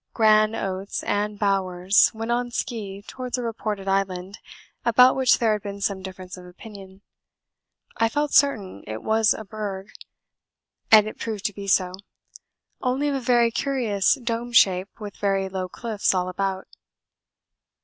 Gran, Oates, and Bowers went on ski towards a reported island about which there had been some difference of opinion. I felt certain it was a berg, and it proved to be so; only of a very curious dome shape with very low cliffs all about.